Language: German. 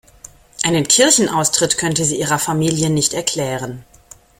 Einen Kirchenaustritt könnte sie ihrer Familie nicht erklären.